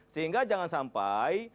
sehingga jangan sampah